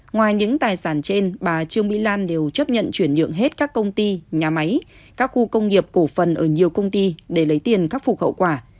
ngoài những tài sản trên bà trương mỹ lan đều chấp nhận chuyển nhượng hết các công ty nhà máy các khu công nghiệp cổ phần ở nhiều công ty để lấy tiền khắc phục hậu quả